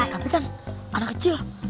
tapi kan anak kecil